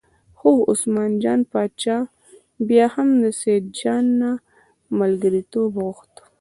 خو عثمان جان باچا بیا هم له سیدجان نه ملګرتوب وغوښت.